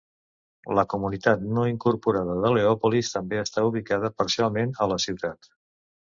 La comunitat no incorporada de Leopolis també està ubicada parcialment a la ciutat.